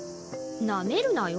なめるなよ？